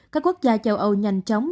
các quốc gia châu âu nhanh chóng